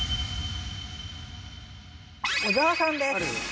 小沢さんです。